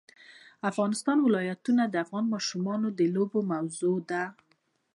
د افغانستان ولايتونه د افغان ماشومانو د لوبو موضوع ده.